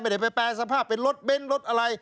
ไม่ได้ไปแปลสภาพเป็นรถเบ้นรถอะไร